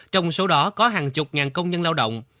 trong số đó có hàng chục ngàn công nhân lao động